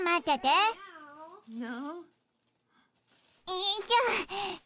よいしょ。